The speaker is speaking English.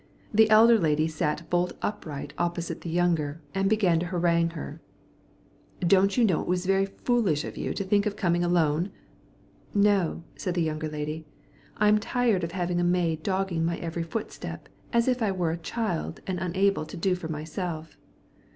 The elder lady sat bolt upright opposite the younger, and began to harangue her. "Don't you know it was very foolish of you to think of coming alone?" "No," said the younger lady; "I'm tired of having a maid dogging my every footstep, as if I were a child and unable to do for myself."